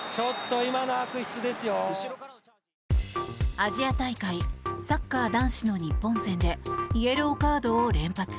アジア大会サッカー男子の日本戦でイエローカードを連発。